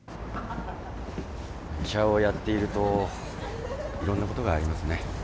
医者をやっているといろんなことがありますね。